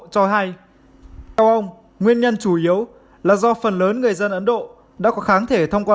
cho hay theo ông nguyên nhân chủ yếu là do phần lớn người dân ấn độ đã có kháng thể thông qua